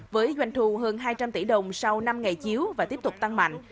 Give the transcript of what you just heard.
với doanh thu hơn hai trăm linh tỷ đồng sau năm ngày chiếu và tiếp tục tăng mạnh